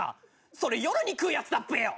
それ夜に食うやつだっぺよ！